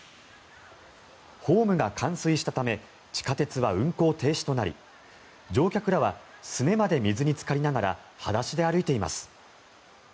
ホームが冠水したため地下鉄は運行停止となり乗客らはすねまで水につかりながら裸足で歩いています。